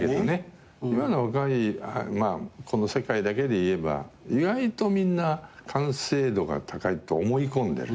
今の若いこの世界だけでいえば意外とみんな完成度が高いと思い込んでる。